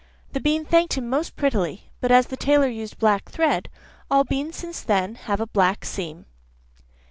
The bean thanked him most prettily, but as the tailor used black thread, all beans since then have a black seam.